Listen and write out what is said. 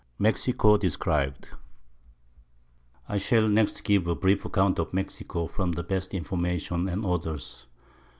Mexico describ'd I Shall next give a brief Account of Mexico from the best Information and Authors.